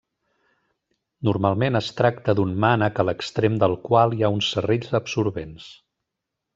Normalment es tracta d'un mànec a l'extrem del qual hi ha uns serrells absorbents.